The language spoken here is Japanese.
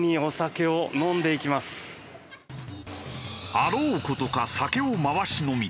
あろう事か酒を回し飲み。